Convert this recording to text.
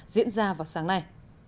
diễn ra vào sáng nay